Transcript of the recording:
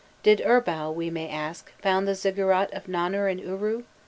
Did Urbau, we may ask, found the ziggurat of Nannar in Uru?